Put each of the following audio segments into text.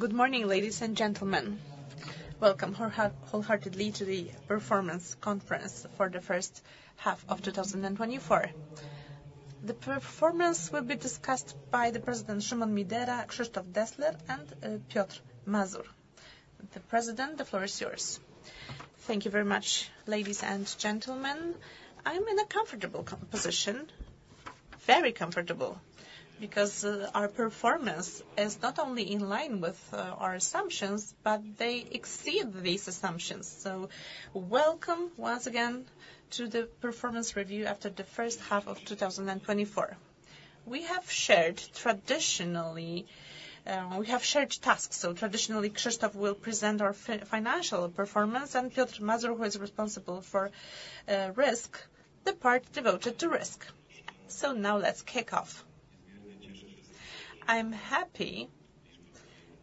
Good morning, ladies and gentlemen. Welcome wholeheartedly to the performance conference for the First Half of 2024. The performance will be discussed by the President, Szymon Midera, Krzysztof Dresler, and Piotr Mazur. The president, the floor is yours. Thank you very much, ladies and gentlemen. I'm in a comfortable position, very comfortable, because our performance is not only in line with our assumptions, but they exceed these assumptions. So welcome once again to the performance review after the first half of two thousand and twenty-four. We have shared tasks traditionally, so traditionally, Krzysztof will present our financial performance, and Piotr Mazur, who is responsible for risk, the part devoted to risk. So now let's kick off. I'm happy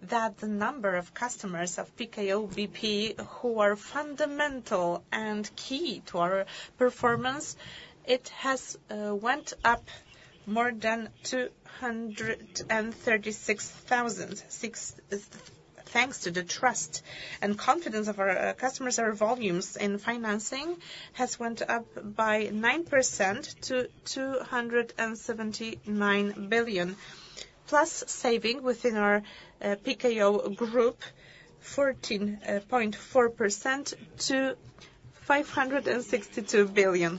that the number of customers of PKO BP, who are fundamental and key to our performance, it has went up more than 236,000. Thanks to the trust and confidence of our customers, our volumes in financing has went up by 9% to 279 billion, plus savings within our PKO Group, 14.4% to 562 billion.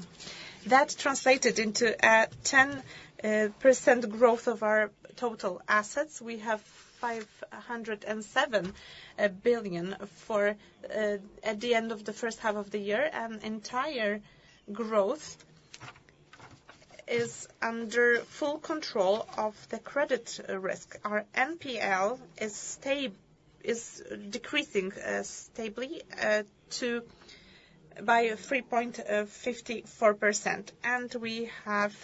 That translated into a 10% growth of our total assets. We have 507 billion at the end of the first half of the year, and entire growth is under full control of the credit risk. Our NPL is decreasing stably by 3.54%. And we have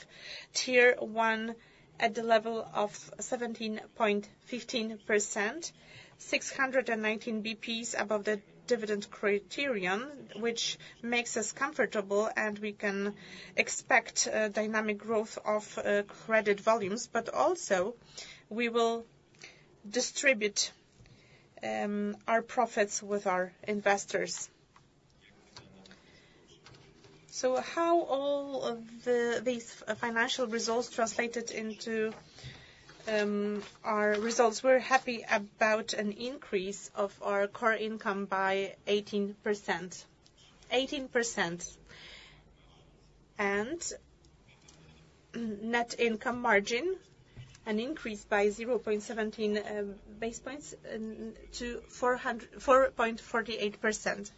Tier 1 at the level of 17.15%, 619 basis points above the dividend criterion, which makes us comfortable, and we can expect a dynamic growth of credit volumes, but also, we will distribute our profits with our investors. So how all of these financial results translated into our results? We're happy about an increase of our core income by 18%. 18%. And net interest margin, an increase by 0.17 basis points, to 4.48%.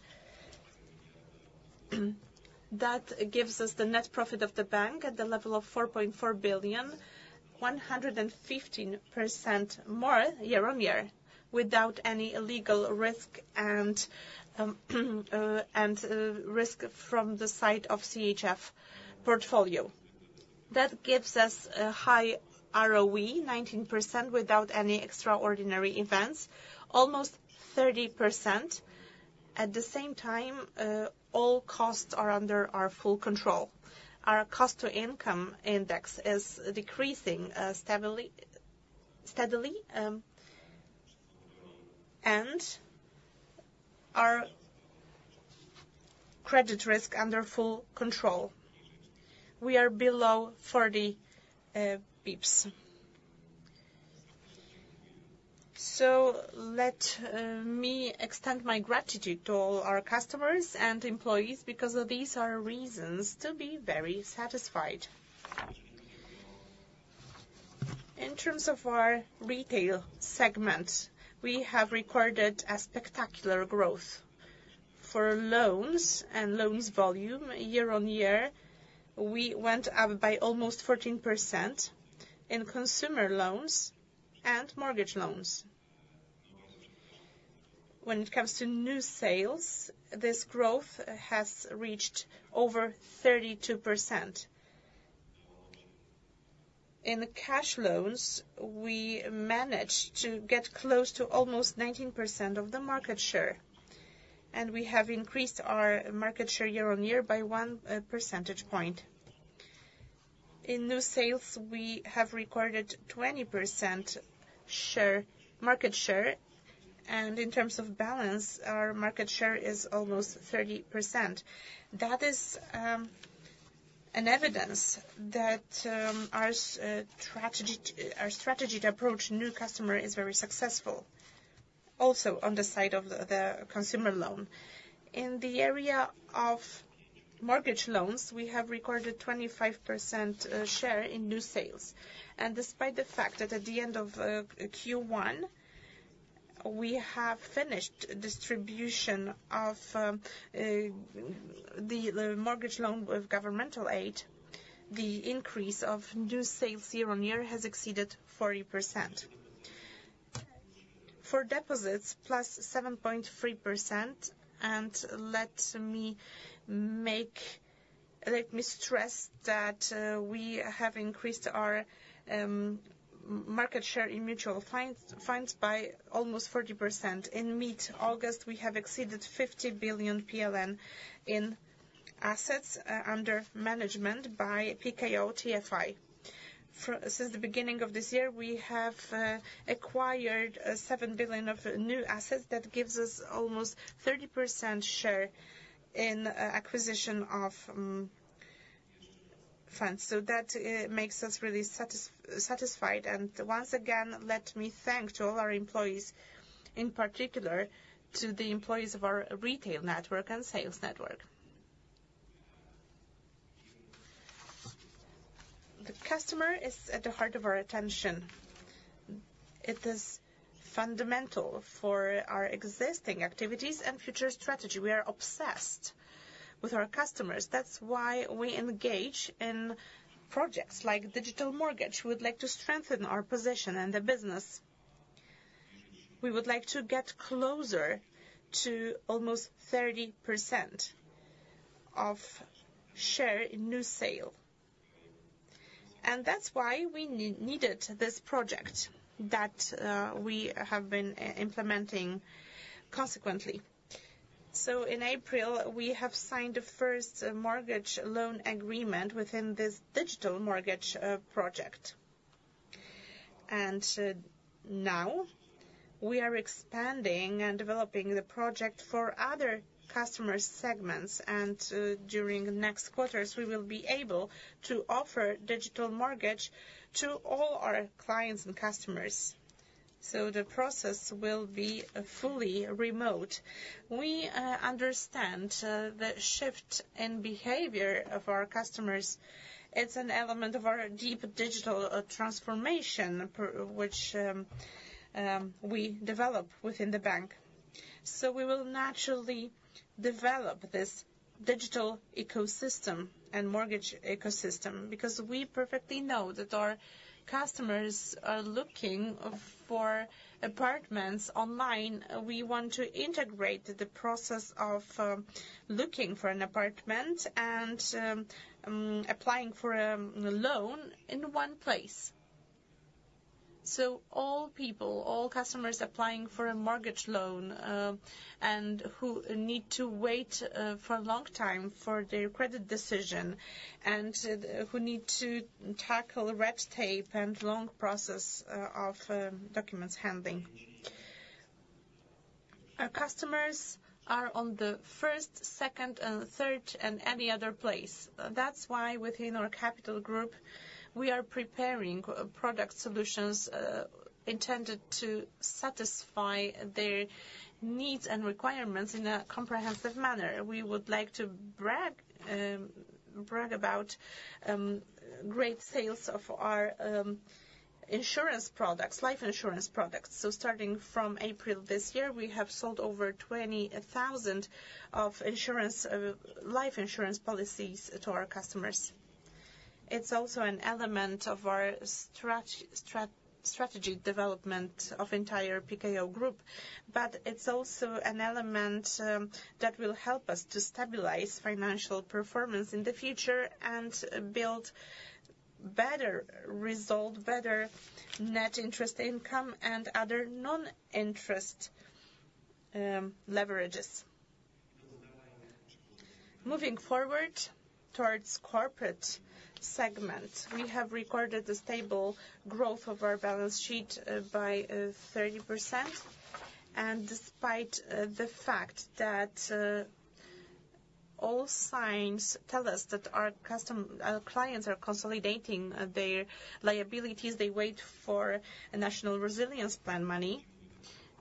That gives us the net profit of the bank at the level of 4.4 billion, 115% more year-on-year, without any legal risk and risk from the side of CHF portfolio. That gives us a high ROE, 19%, without any extraordinary events, almost 30%. At the same time, all costs are under our full control. Our cost-to-income index is decreasing stably, steadily, and our credit risk under full control. We are below 40 basis points. So let me extend my gratitude to all our customers and employees, because these are reasons to be very satisfied. In terms of our retail segment, we have recorded a spectacular growth. For loans and loans volume, year on year, we went up by almost 14% in consumer loans and mortgage loans. When it comes to new sales, this growth has reached over 32%. In the cash loans, we managed to get close to almost 19% of the market share, and we have increased our market share year on year by one percentage point. In new sales, we have recorded 20% share, market share, and in terms of balance, our market share is almost 30%. That is, an evidence that, our strategy to approach new customer is very successful, also on the side of the consumer loan. In the area of mortgage loans, we have recorded 25% share in new sales. And despite the fact that at the end of Q1, we have finished distribution of the mortgage loan with governmental aid, the increase of new sales year on year has exceeded 40%. For deposits, plus 7.3%, and let me stress that, we have increased our market share in mutual funds by almost 40%. In mid-August, we have exceeded 50 billion PLN in. Assets under management by PKO TFI. Since the beginning of this year, we have acquired 7 billion of new assets. That gives us almost 30% share in acquisition of funds. So that makes us really satisfied, and once again, let me thank to all our employees, in particular, to the employees of our retail network and sales network. The customer is at the heart of our attention. It is fundamental for our existing activities and future strategy. We are obsessed with our customers. That's why we engage in projects like digital mortgage. We would like to strengthen our position in the business. We would like to get closer to almost 30% of share in new sale, and that's why we needed this project that we have been implementing consequently. In April, we have signed the first mortgage loan agreement within this digital mortgage project. Now we are expanding and developing the project for other customer segments, and during the next quarters, we will be able to offer digital mortgage to all our clients and customers, so the process will be fully remote. We understand the shift in behavior of our customers. It's an element of our deep digital transformation, which we develop within the bank. We will naturally develop this digital ecosystem and mortgage ecosystem, because we perfectly know that our customers are looking for apartments online. We want to integrate the process of looking for an apartment and applying for a loan in one place. So all people, all customers applying for a mortgage loan, and who need to wait for a long time for their credit decision and, who need to tackle red tape and long process of documents handling. Our customers are on the first, second and third and any other place. That's why within our capital group, we are preparing product solutions intended to satisfy their needs and requirements in a comprehensive manner. We would like to brag about great sales of our insurance products, life insurance products. So starting from April this year, we have sold over 20,000 of insurance, life insurance policies to our customers. It's also an element of our strategy, development of entire PKO Group, but it's also an element that will help us to stabilize financial performance in the future and build better result, better net interest income and other non-interest leverages. Moving forward towards corporate segment, we have recorded a stable growth of our balance sheet by 30%. And despite the fact that all signs tell us that our clients are consolidating their liabilities, they wait for a National Resilience Plan money,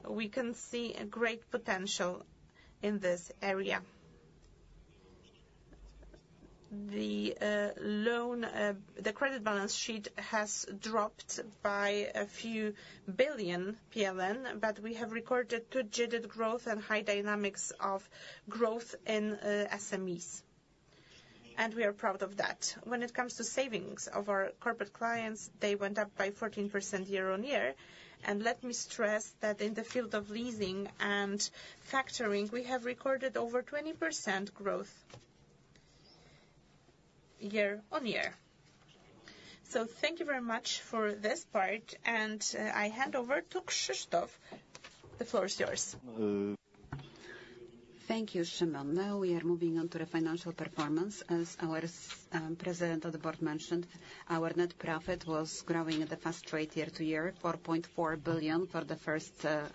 we can see a great potential in this area. The loan, the credit balance sheet has dropped by a few billion PLN, but we have recorded good growth and high dynamics of growth in SMEs, and we are proud of that. When it comes to savings of our corporate clients, they went up by 14% year-on-year, and let me stress that in the field of leasing and factoring, we have recorded over 20% growth year-on-year, so thank you very much for this part, and I hand over to Krzysztof. The floor is yours. Thank you, Szymon. Now we are moving on to the financial performance. As our President of the board mentioned, our net profit was growing at a fast rate year to year, 4.4 billion for the first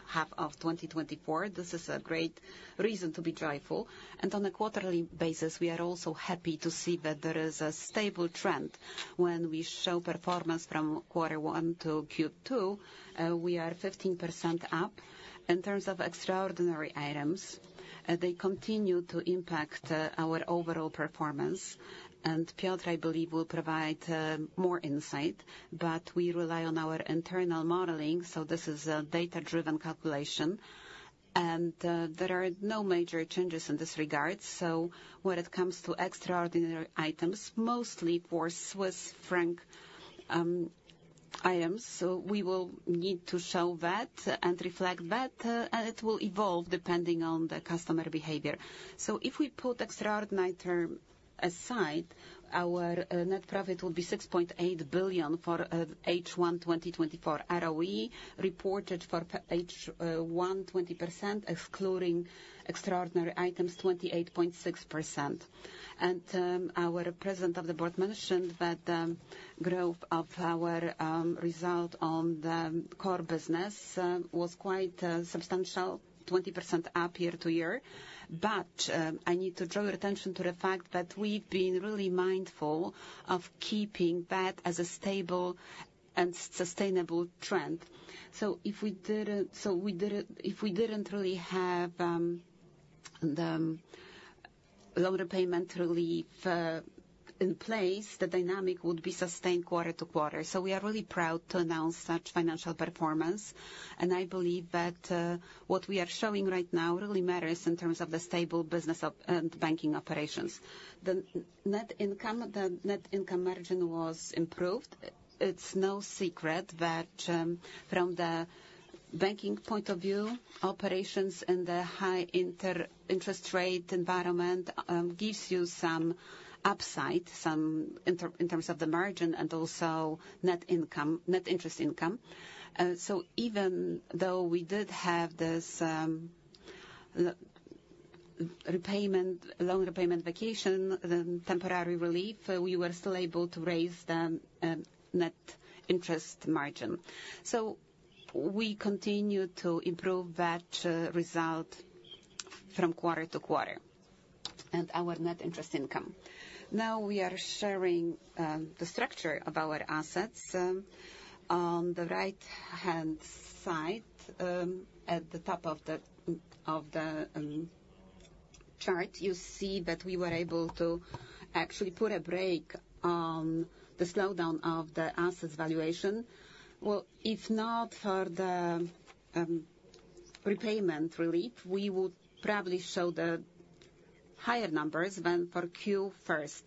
half of 2024. This is a great reason to be joyful, and on a quarterly basis, we are also happy to see that there is a stable trend. When we show performance from quarter one to Q2, we are 15% up. In terms of extraordinary items, they continue to impact our overall performance, and Piotr, I believe, will provide more insight, but we rely on our internal modeling, so this is a data-driven calculation, and there are no major changes in this regard. When it comes to extraordinary items, mostly for Swiss franc items, we will need to show that and reflect that, and it will evolve depending on the customer behavior. If we put extraordinary aside, our net profit will be 6.8 billion for H1 2024. ROE reported for H1 20%, excluding extraordinary items, 28.6%. Our President of the Board mentioned that growth of our result on the core business was quite substantial, 20% up year to year. I need to draw your attention to the fact that we've been really mindful of keeping that as a stable and sustainable trend. So if we didn't really have the loan repayment relief in place, the dynamic would be sustained quarter to quarter. We are really proud to announce such financial performance, and I believe that what we are showing right now really matters in terms of the stable business and banking operations. The net income, the net income margin was improved. It's no secret that from the banking point of view, operations in the high interest rate environment gives you some upside in terms of the margin and also net income, net interest income. So even though we did have this loan repayment vacation, the temporary relief, we were still able to raise the net interest margin. So we continue to improve that result from quarter to quarter, and our net interest income. Now we are sharing the structure of our assets. On the right-hand side, at the top of the chart, you see that we were able to actually put a brake on the slowdown of the assets valuation. Well, if not for the repayment relief, we would probably show the higher numbers than for Q1.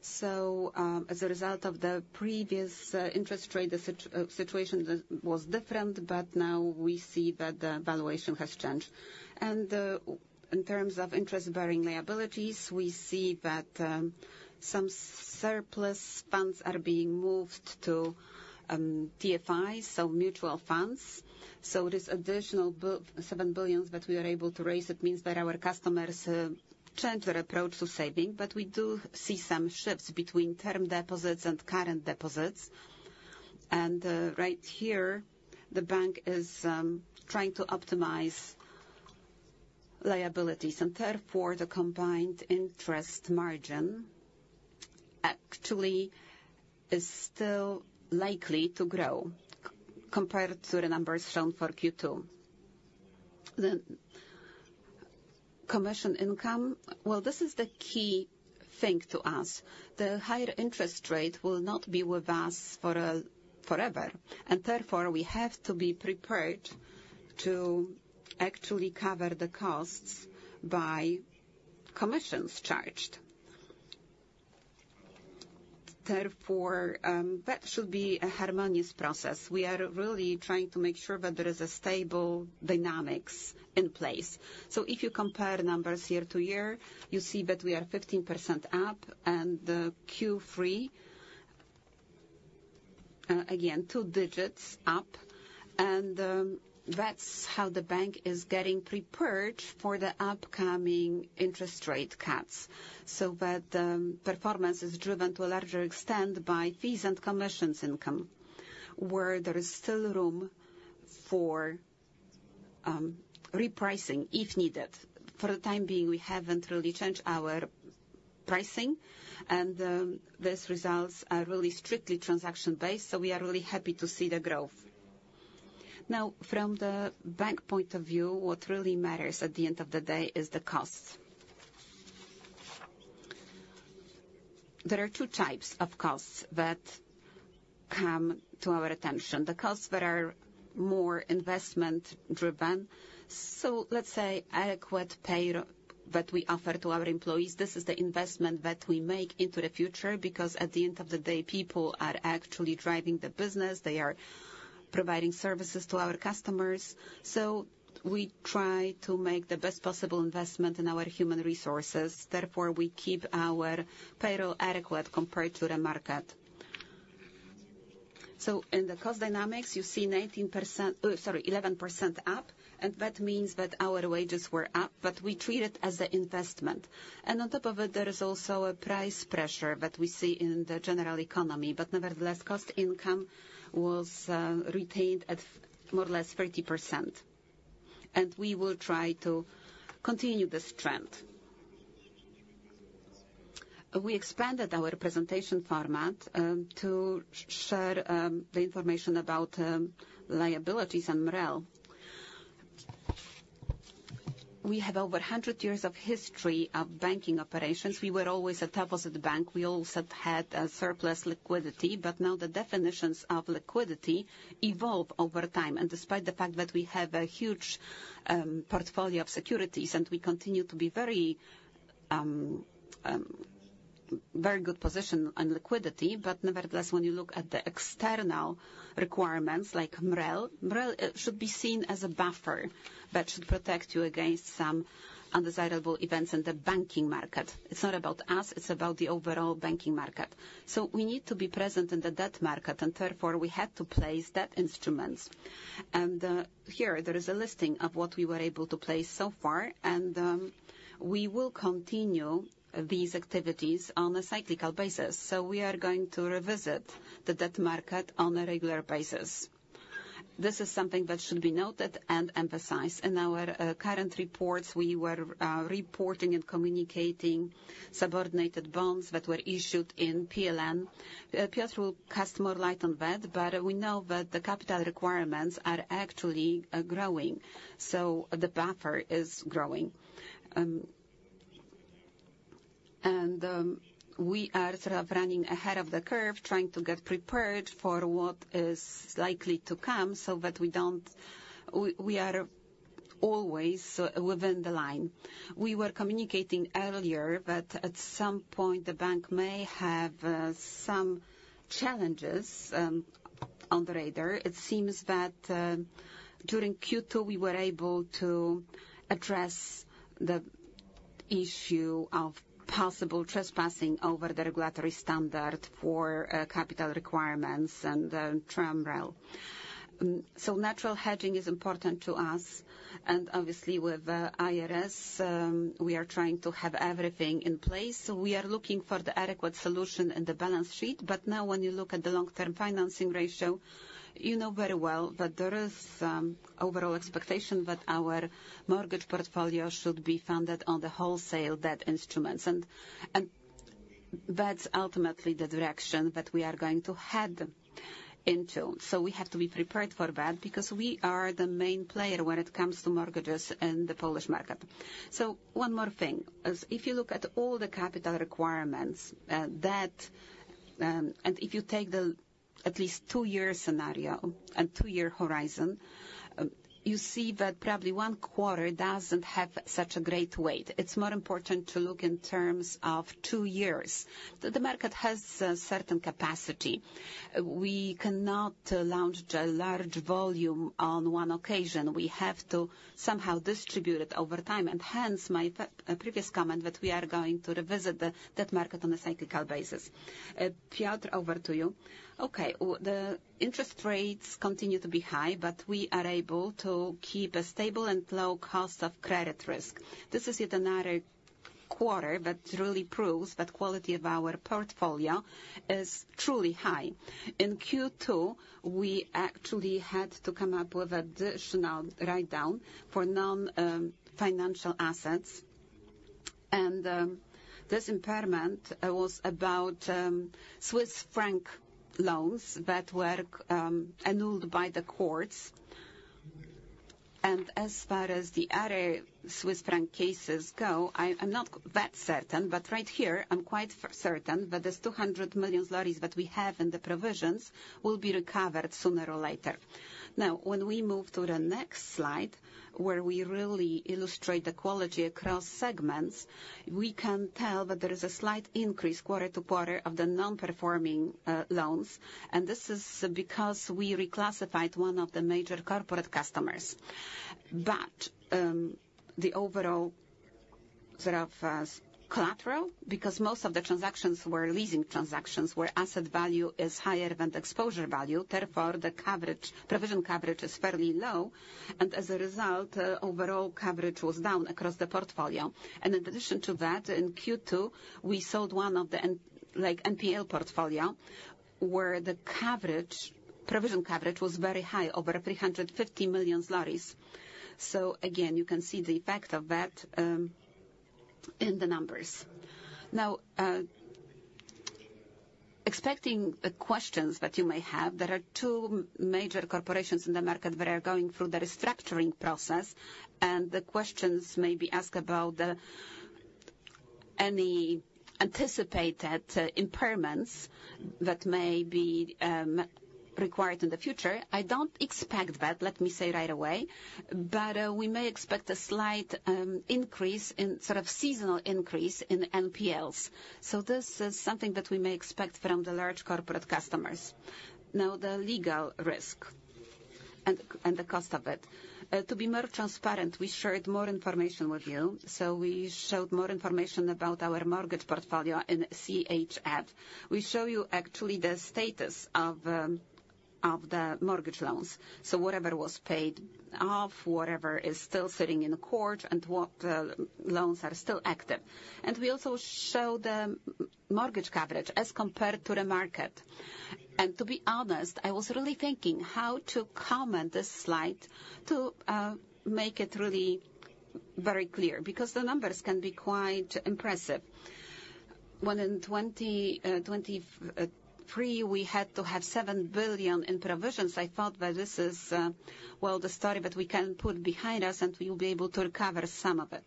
So, as a result of the previous interest rate situation was different, but now we see that the valuation has changed. And, in terms of interest-bearing liabilities, we see that some surplus funds are being moved to TFIs, so mutual funds. This additional seven billion that we are able to raise. It means that our customers changed their approach to saving, but we do see some shifts between term deposits and current deposits. Right here, the bank is trying to optimize liabilities, and therefore, the combined interest margin actually is still likely to grow compared to the numbers shown for Q2. The commission income. This is the key thing to us. The higher interest rate will not be with us for forever, and therefore, we have to be prepared to actually cover the costs by commissions charged. Therefore, that should be a harmonious process. We are really trying to make sure that there is a stable dynamics in place. So if you compare numbers year to year, you see that we are 15% up, and Q3, again, two digits up, and, that's how the bank is getting prepared for the upcoming interest rate cuts. So that, performance is driven to a larger extent by fees and commissions income, where there is still room for, repricing if needed. For the time being, we haven't really changed our pricing, and, these results are really strictly transaction-based, so we are really happy to see the growth. Now, from the bank point of view, what really matters at the end of the day is the cost. There are two types of costs that come to our attention, the costs that are more investment driven, so let's say adequate pay that we offer to our employees. This is the investment that we make into the future, because at the end of the day, people are actually driving the business. They are providing services to our customers, so we try to make the best possible investment in our human resources. Therefore, we keep our payroll adequate compared to the market, so in the cost dynamics, you see 19%, sorry, 11% up, and that means that our wages were up, but we treat it as an investment, and on top of it, there is also a price pressure that we see in the general economy, but nevertheless, cost income was retained at more or less 30%, and we will try to continue this trend. We expanded our presentation format to share the information about liabilities and MREL. We have over a hundred years of history of banking operations. We were always a deposit bank. We also had a surplus liquidity, but now the definitions of liquidity evolve over time, and despite the fact that we have a huge portfolio of securities, and we continue to be very good position on liquidity, but nevertheless, when you look at the external requirements like MREL, MREL should be seen as a buffer that should protect you against some undesirable events in the banking market. It's not about us, it's about the overall banking market, so we need to be present in the debt market, and therefore, we had to place debt instruments, and here, there is a listing of what we were able to place so far, and we will continue these activities on a cyclical basis, so we are going to revisit the debt market on a regular basis. This is something that should be noted and emphasized. In our current reports, we were reporting and communicating subordinated bonds that were issued in PLN. Piotr will cast more light on that, but we know that the capital requirements are actually growing, so the buffer is growing, and we are sort of running ahead of the curve, trying to get prepared for what is likely to come, so that we don't. We are always within the line. We were communicating earlier that at some point, the bank may have some challenges on the radar. It seems that during Q2, we were able to address the issue of possible trespassing over the regulatory standard for capital requirements and MREL. So natural hedging is important to us, and obviously with IRS we are trying to have everything in place. We are looking for the adequate solution in the balance sheet, but now when you look at the long-term financing ratio, you know very well that there is overall expectation that our mortgage portfolio should be funded on the wholesale debt instruments. And that's ultimately the direction that we are going to head into. So we have to be prepared for that, because we are the main player when it comes to mortgages in the Polish market. So one more thing is if you look at all the capital requirements, and if you take the at least two-year scenario and two-year horizon, you see that probably one quarter doesn't have such a great weight. It's more important to look in terms of two years. The market has a certain capacity. We cannot launch a large volume on one occasion. We have to somehow distribute it over time, and hence, my previous comment that we are going to revisit the debt market on a cyclical basis. Piotr, over to you. Okay. Well, the interest rates continue to be high, but we are able to keep a stable and low cost of credit risk. This is yet another quarter that really proves that quality of our portfolio is truly high. In Q2, we actually had to come up with additional write-down for non-financial assets, and this impairment was about Swiss franc loans that were annulled by the courts. And as far as the other Swiss franc cases go, I'm not that certain, but right here, I'm quite certain that these 200 million PLN that we have in the provisions will be recovered sooner or later. Now, when we move to the next slide, where we really illustrate the quality across segments, we can tell that there is a slight increase, quarter to quarter, of the non-performing loans, and this is because we reclassified one of the major corporate customers. But, the overall sort of collateral, because most of the transactions were leasing transactions, where asset value is higher than the exposure value, therefore, the coverage, provision coverage is fairly low, and as a result, overall coverage was down across the portfolio. And in addition to that, in Q2, we sold one of the NPL portfolio, where the coverage, provision coverage was very high, over 350 million. So again, you can see the effect of that in the numbers. Now, expecting the questions that you may have, there are two major corporations in the market that are going through the restructuring process, and the questions may be asked about any anticipated impairments that may be required in the future. I don't expect that, let me say right away, but we may expect a slight increase in, sort of seasonal increase in NPLs. So this is something that we may expect from the large corporate customers. Now, the legal risk and the cost of it. To be more transparent, we shared more information with you, so we showed more information about our mortgage portfolio in CHF. We show you actually the status of the mortgage loans, so whatever was paid off, whatever is still sitting in the court, and what loans are still active. We also show the mortgage coverage as compared to the market. To be honest, I was really thinking how to comment this slide to make it really very clear, because the numbers can be quite impressive. When in 2023, we had to have 7 billion in provisions, I thought that this is well the story that we can put behind us, and we will be able to recover some of it.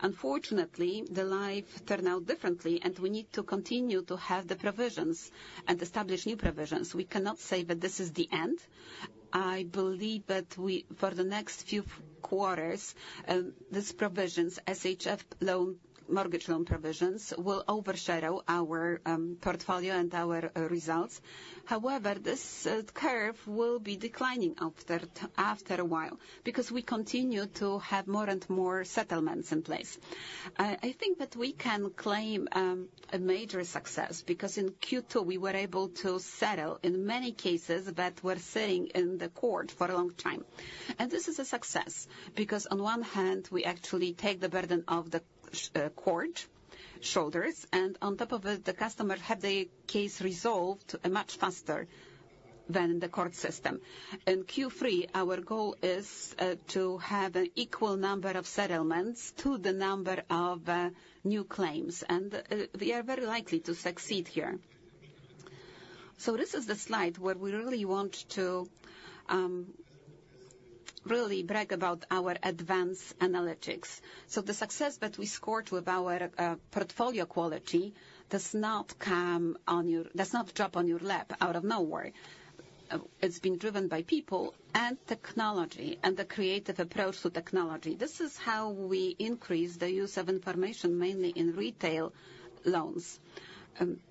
Unfortunately, the life turned out differently, and we need to continue to have the provisions and establish new provisions. We cannot say that this is the end. I believe that we, for the next few quarters, these provisions, CHF loan, mortgage loan provisions, will overshadow our portfolio and our results. However, this curve will be declining after a while, because we continue to have more and more settlements in place. I think that we can claim a major success, because in Q2, we were able to settle in many cases that were sitting in the court for a long time. And this is a success, because on one hand, we actually take the burden off the court's shoulders, and on top of it, the customer had the case resolved much faster than the court system. In Q3, our goal is to have an equal number of settlements to the number of new claims, and we are very likely to succeed here. So this is the slide where we really want to really brag about our advanced analytics. So the success that we scored with our portfolio quality does not drop on your lap out of nowhere. It's been driven by people and technology, and the creative approach to technology. This is how we increase the use of information, mainly in retail loans.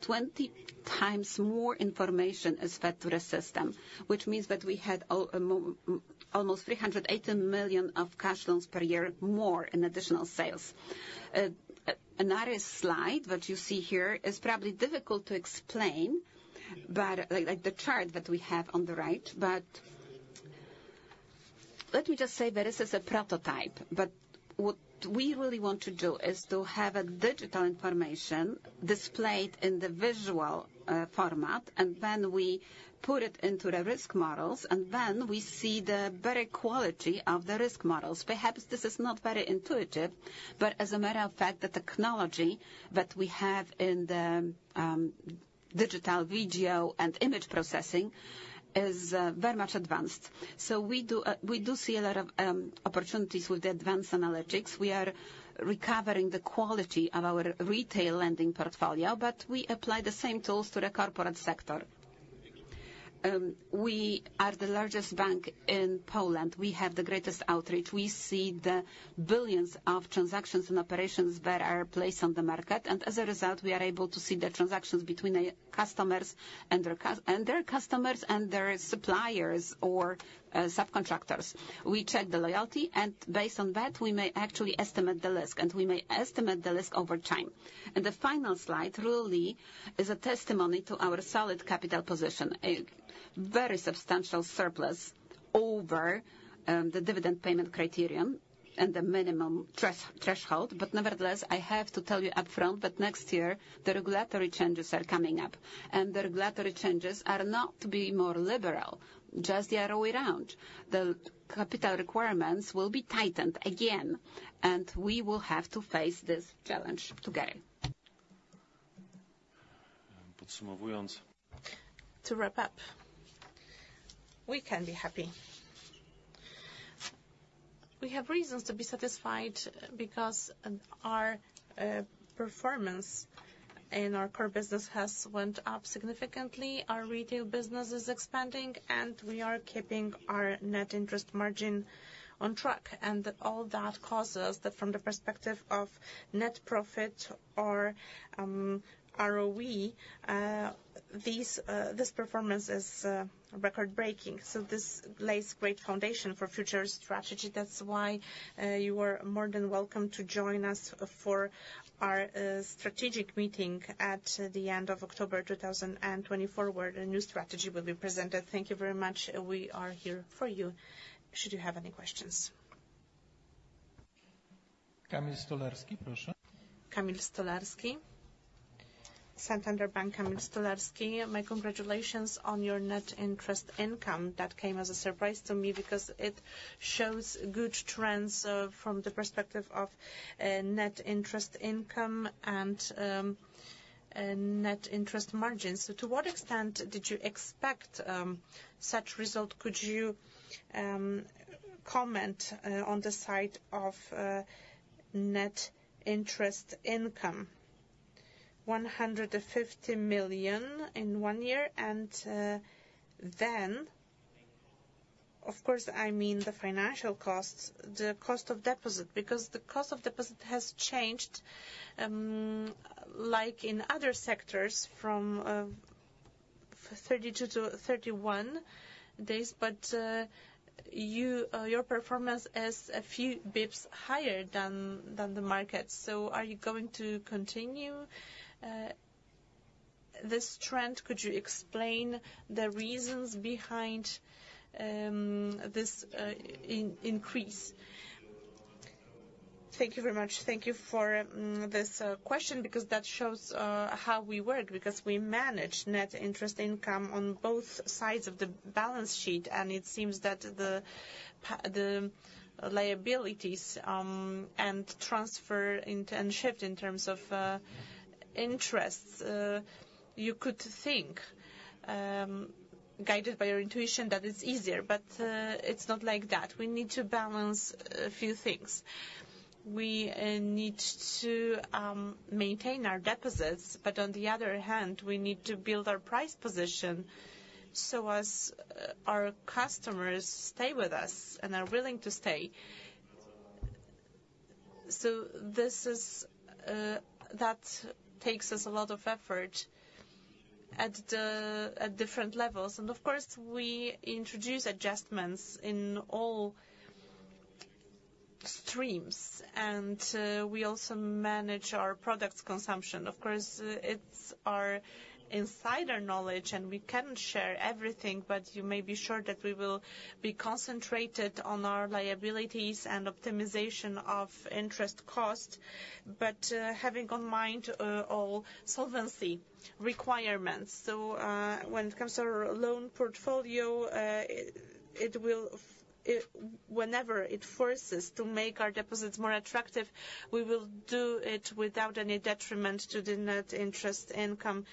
Twenty times more information is fed to the system, which means that we had almost three hundred and eighty million of cash loans per year, more in additional sales. Another slide that you see here is probably difficult to explain, but, like, the chart that we have on the right, but let me just say that this is a prototype, but what we really want to do is to have a digital information displayed in the visual format, and then we put it into the risk models, and then we see the better quality of the risk models. Perhaps this is not very intuitive, but as a matter of fact, the technology that we have in the digital video and image processing is very much advanced, so we do, we do see a lot of opportunities with the advanced analytics. We are recovering the quality of our retail lending portfolio, but we apply the same tools to the corporate sector. We are the largest bank in Poland. We have the greatest outreach. We see the billions of transactions and operations that are placed on the market, and as a result, we are able to see the transactions between the customers and their customers and their suppliers or subcontractors. We check the loyalty, and based on that, we may actually estimate the risk, and we may estimate the risk over time, and the final slide really is a testimony to our solid capital position, a very substantial surplus over the dividend payment criterion and the minimum threshold, but nevertheless, I have to tell you upfront that next year, the regulatory changes are coming up, and the regulatory changes are not to be more liberal, just the other way around. The capital requirements will be tightened again, and we will have to face this challenge together. To wrap up, we can be happy. We have reasons to be satisfied, because our performance in our core business has went up significantly, our retail business is expanding, and we are keeping our net interest margin on track, and all that causes that from the perspective of net profit or ROE, this performance is record-breaking, so this lays great foundation for future strategy. That's why you are more than welcome to join us for our strategic meeting at the end of October two thousand and twenty-four, a new strategy will be presented. Thank you very much. We are here for you, should you have any questions. Kamil Stolarski, please. Kamil Stolarski. Santander Bank, Kamil Stolarski. My congratulations on your net interest income. That came as a surprise to me, because it shows good trends from the perspective of net interest income and net interest margins. So to what extent did you expect such result? Could you comment on the side of net interest income? 150 million in one year, and then, of course, I mean, the financial costs, the cost of deposit, because the cost of deposit has changed like in other sectors, from 32 to 31 days, but your performance is a few basis points higher than the market. So are you going to continue this trend? Could you explain the reasons behind this increase? Thank you very much. Thank you for this question, because that shows how we work, because we manage net interest income on both sides of the balance sheet, and it seems that the liabilities. And transfer into, and shift in terms of, interests. You could think, guided by your intuition, that it's easier, but it's not like that. We need to balance a few things. We need to maintain our deposits, but on the other hand, we need to build our pricing position, so as our customers stay with us and are willing to stay. That takes us a lot of effort at different levels, and of course, we introduce adjustments in all streams, and we also manage our products consumption. Of course, it's our insider knowledge, and we can't share everything, but you may be sure that we will be concentrated on our liabilities and optimization of interest cost, but having in mind all solvency requirements. When it comes to our loan portfolio, whenever it forces to make our deposits more attractive, we will do it without any detriment to the net interest income,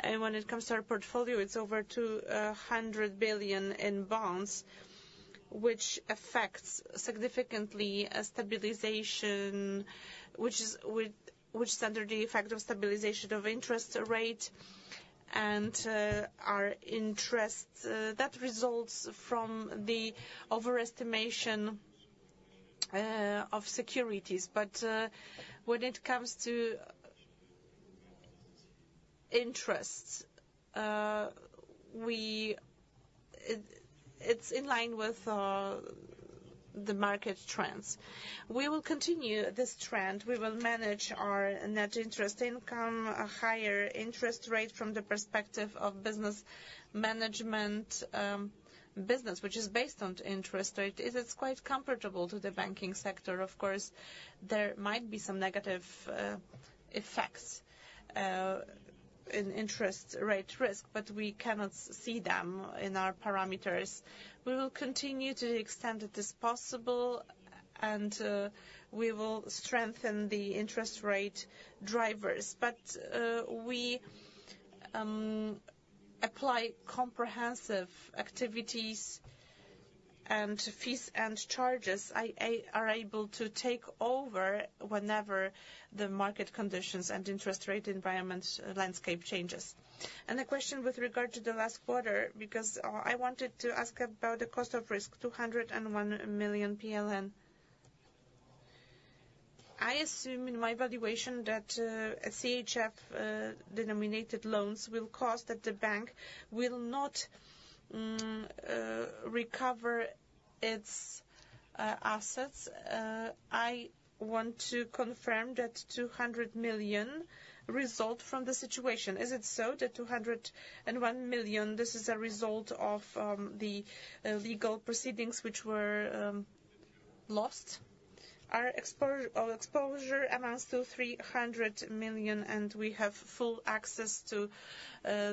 and when it comes to our portfolio, it's over 200 billion in bonds, which affects significantly stabilization, which is under the effect of stabilization of interest rate and our interest that results from the overestimation of securities, but when it comes to interests, it's in line with the market trends. We will continue this trend. We will manage our net interest income, a higher interest rate from the perspective of business management, business, which is based on interest rate. It is quite comparable to the banking sector. Of course, there might be some negative effects in interest rate risk, but we cannot see them in our parameters. We will continue to the extent it is possible, and we will strengthen the interest rate drivers. But we apply comprehensive activities, and fees and charges are able to take over whenever the market conditions and interest rate environments landscape changes. A question with regard to the last quarter, because I wanted to ask about the cost of risk, 201 million PLN. I assume in my valuation that CHF denominated loans will cost, that the bank will not recover its assets. I want to confirm that 200 million result from the situation. Is it so that 201 million, this is a result of the legal proceedings which were lost? Our exposure, our exposure amounts to 300 million, and we have full access to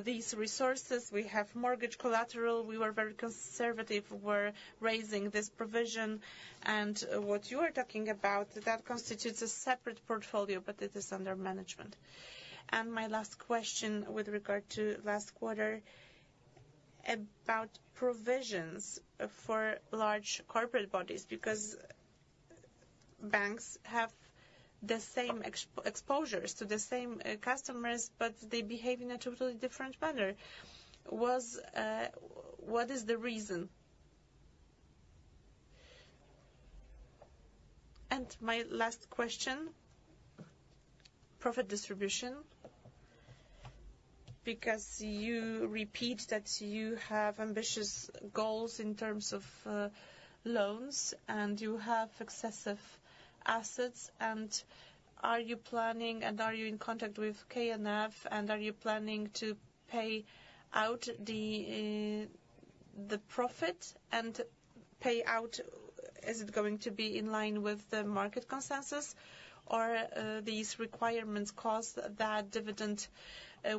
these resources. We have mortgage collateral. We were very conservative, we're raising this provision, and what you are talking about, that constitutes a separate portfolio, but it is under management. My last question with regard to last quarter, about provisions for large corporate bodies, because banks have the same exposures to the same customers, but they behave in a totally different manner. What is the reason? And my last question, profit distribution, because you repeat that you have ambitious goals in terms of loans, and you have excessive assets, and are you planning, and are you in contact with KNF, and are you planning to pay out the profit? And pay out, is it going to be in line with the market consensus, or these requirements cause that dividend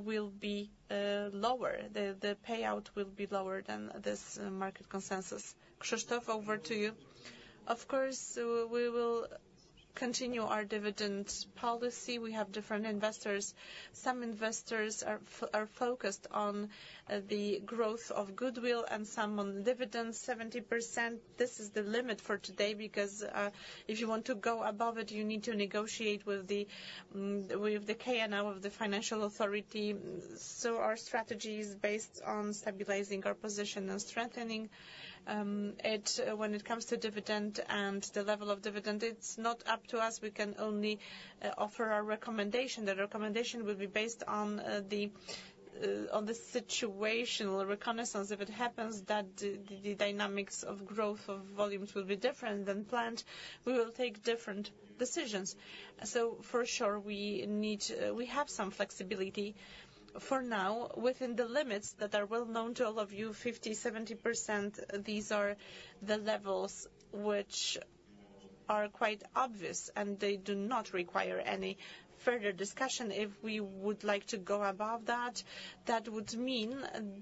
will be lower, the payout will be lower than this market consensus? Krzysztof, over to you. Of course, we will continue our dividend policy. We have different investors. Some investors are focused on the growth of goodwill and some on dividends. 70%, this is the limit for today, because if you want to go above it, you need to negotiate with the KNF, with the financial authority. Our strategy is based on stabilizing our position and strengthening it. When it comes to dividend and the level of dividend, it's not up to us. We can only offer our recommendation. The recommendation will be based on the situational reconnaissance. If it happens that the dynamics of growth of volumes will be different than planned, we will take different decisions. For sure, we have some flexibility. For now, within the limits that are well known to all of you, 50-70%, these are the levels which. Are quite obvious, and they do not require any further discussion. If we would like to go above that, that would mean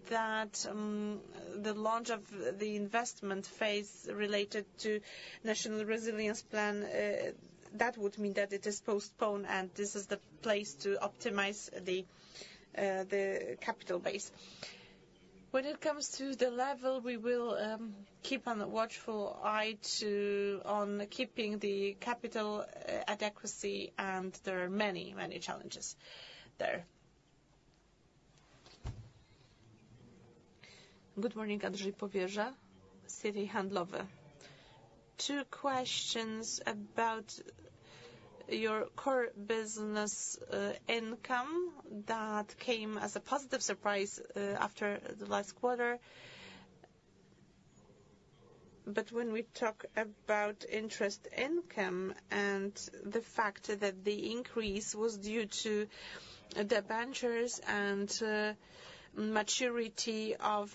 that the launch of the investment phase related to National Resilience Plan, that would mean that it is postponed, and this is the place to optimize the capital base. When it comes to the level, we will keep a watchful eye on keeping the capital adequacy, and there are many, many challenges there. Good morning, Andrzej Powierza, Citi Handlowy. Two questions about your core business income that came as a positive surprise after the last quarter. But when we talk about interest income and the fact that the increase was due to debentures and maturity of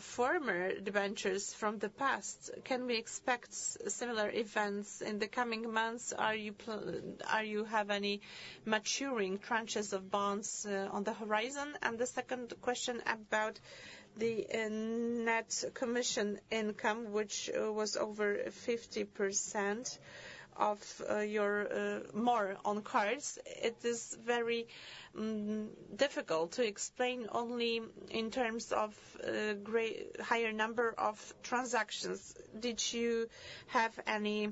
former debentures from the past, can we expect similar events in the coming months? Are you have any maturing tranches of bonds on the horizon? And the second question about the net commission income, which was over 50% of your more on cards. It is very difficult to explain only in terms of great higher number of transactions. Did you have any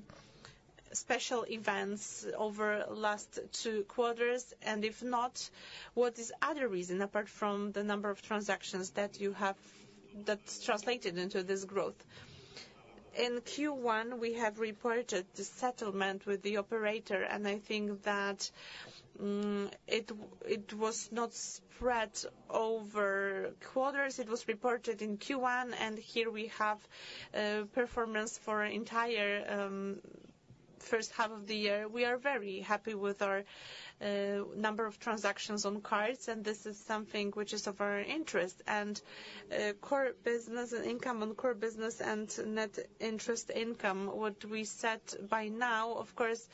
special events over last two quarters? And if not, what is other reason, apart from the number of transactions, that you have - that's translated into this growth? In Q1, we have reported the settlement with the operator, and I think that it was not spread over quarters. It was reported in Q1, and here we have performance for entire first half of the year. We are very happy with our number of transactions on cards, and this is something which is of our interest. And core business and income on core business and net interest income, what we set by now, of course,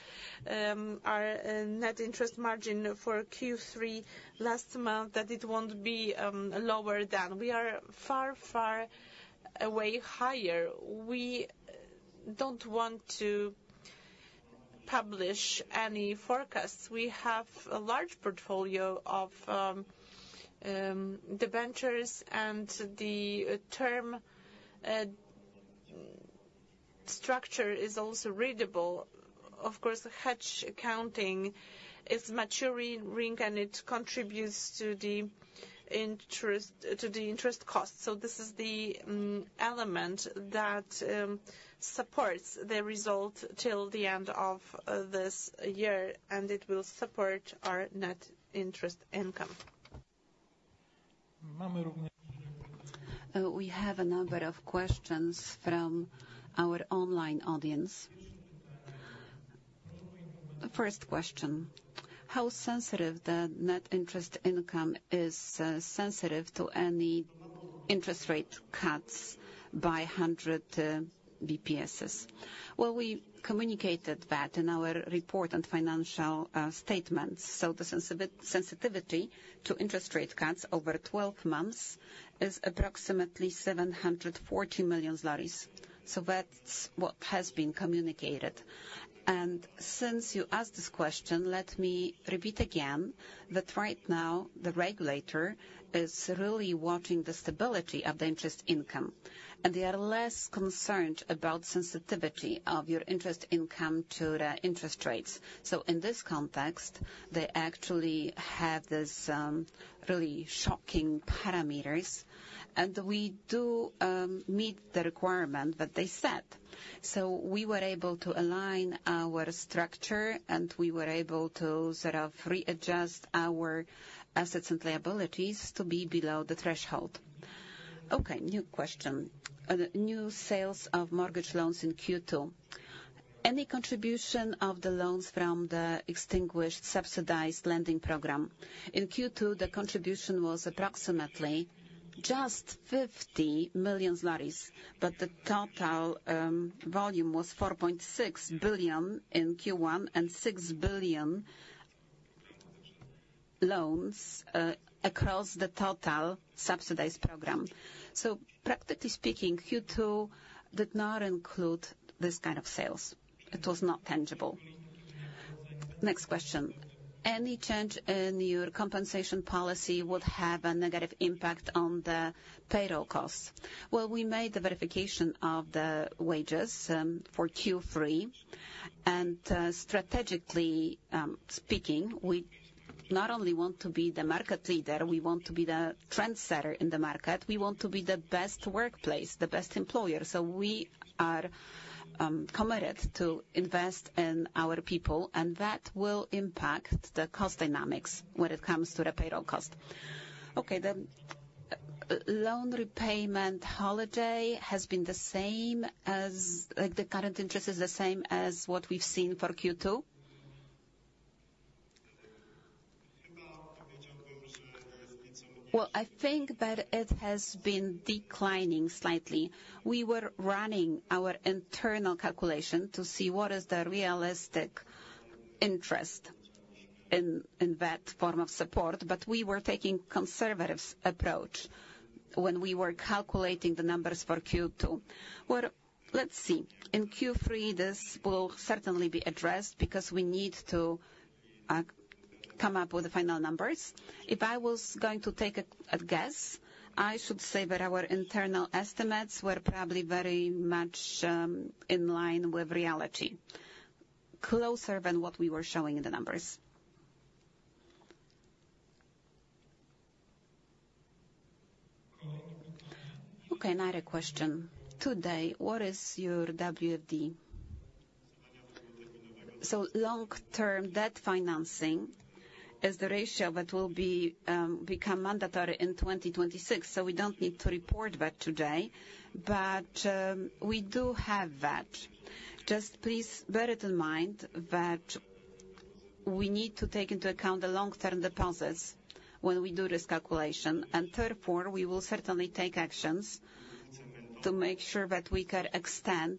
our net interest margin for Q3 last month, that it won't be lower than. We are far, far away higher. We don't want to publish any forecasts. We have a large portfolio of debentures, and the term structure is also readable. Of course, hedge accounting is maturing, and it contributes to the interest, to the interest cost, so this is the element that supports the result till the end of this year, and it will support our net interest income. We have a number of questions from our online audience. The first question: How sensitive the net interest income is, sensitive to any interest rate cuts by 100 basis points? We communicated that in our report and financial statements, so the sensitivity to interest rate cuts over twelve months is approximately 740 million zlotys. That's what has been communicated. Since you asked this question, let me repeat again that right now, the regulator is really watching the stability of the interest income, and they are less concerned about sensitivity of your interest income to the interest rates. In this context, they actually have this really shocking parameters, and we do meet the requirement that they set. We were able to align our structure, and we were able to sort of readjust our assets and liabilities to be below the threshold. Okay, new question. New sales of mortgage loans in Q2, any contribution of the loans from the extinguished subsidized lending program? In Q2, the contribution was approximately just 50 million zlotys, but the total volume was 4.6 billion PLN in Q1 and 6 billion PLN loans across the total subsidized program. So practically speaking, Q2 did not include this kind of sales. It was not tangible. Next question. Any change in your compensation policy would have a negative impact on the payroll costs? Well, we made the verification of the wages for Q3 and strategically speaking, we not only want to be the market leader, we want to be the trendsetter in the market. We want to be the best workplace, the best employer, so we are committed to invest in our people, and that will impact the cost dynamics when it comes to the payroll cost. Okay, the loan repayment holiday has been the same as, like, the current interest is the same as what we've seen for Q2? I think that it has been declining slightly. We were running our internal calculation to see what is the realistic interest in that form of support, but we were taking conservative approach when we were calculating the numbers for Q2. Let's see. In Q3, this will certainly be addressed because we need to come up with the final numbers. If I was going to take a guess, I should say that our internal estimates were probably very much in line with reality, closer than what we were showing in the numbers. Okay, and I had a question. Today, what is your WFD? Long-term debt financing is the ratio that will become mandatory in 2026, so we don't need to report that today, but we do have that. Just please bear it in mind that we need to take into account the long-term deposits when we do this calculation, and therefore, we will certainly take actions to make sure that we can extend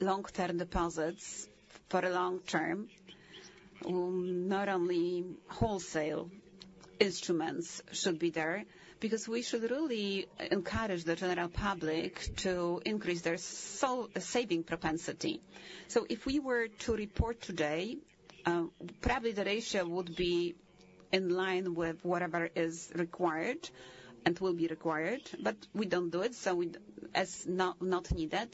long-term deposits for the long term. Not only wholesale instruments should be there, because we should really encourage the general public to increase their saving propensity. So if we were to report today, probably the ratio would be in line with whatever is required and will be required, but we don't do it, so we as not needed.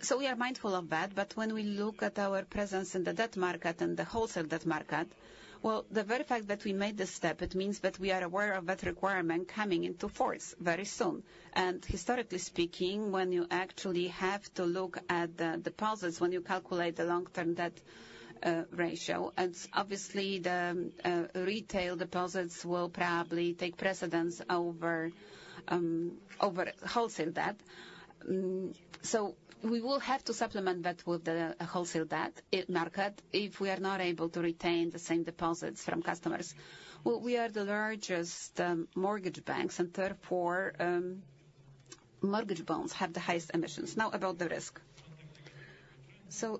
So we are mindful of that, but when we look at our presence in the debt market and the wholesale debt market, well, the very fact that we made this step, it means that we are aware of that requirement coming into force very soon, and historically speaking, when you actually have to look at the deposits, when you calculate the long-term debt ratio, and obviously the retail deposits will probably take precedence over wholesale debt, so we will have to supplement that with the wholesale debt in market if we are not able to retain the same deposits from customers, well, we are the largest mortgage banks, and therefore mortgage bonds have the highest emissions. Now, about the risk.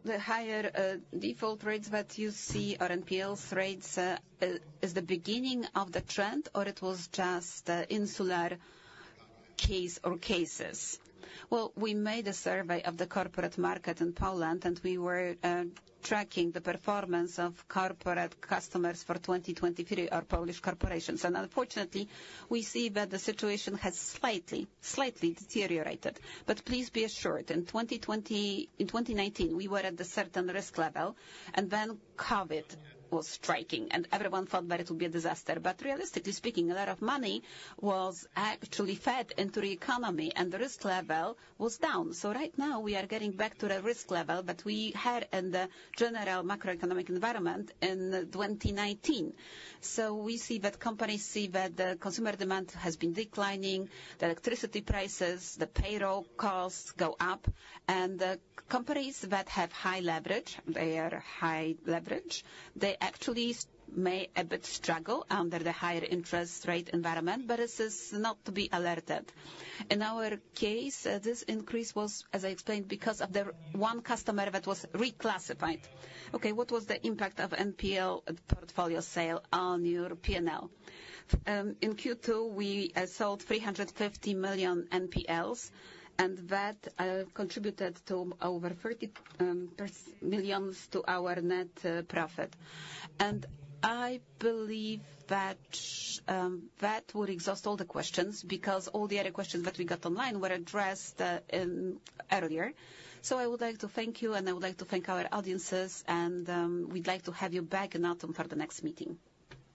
The higher default rates that you see or NPLs rates is the beginning of the trend, or it was just an insular case or cases? We made a survey of the corporate market in Poland, and we were tracking the performance of corporate customers for 2023, our Polish corporations. And unfortunately, we see that the situation has slightly, slightly deteriorated. But please be assured, in 2019, we were at a certain risk level, and then COVID was striking, and everyone thought that it would be a disaster. But realistically speaking, a lot of money was actually fed into the economy, and the risk level was down. Right now, we are getting back to the risk level that we had in the general macroeconomic environment in 2019. We see that companies see that the consumer demand has been declining, the electricity prices, the payroll costs go up, and the companies that have high leverage, they are high leverage, they actually may a bit struggle under the higher interest rate environment, but this is not to be alerted. In our case, this increase was, as I explained, because of the one customer that was reclassified. Okay, what was the impact of NPL portfolio sale on your PNL? In Q2, we sold 350 million PLN NPLs, and that contributed to over 30 million PLN to our net profit. I believe that would exhaust all the questions, because all the other questions that we got online were addressed in earlier. So I would like to thank you, and I would like to thank our audiences, and, we'd like to have you back in autumn for the next meeting.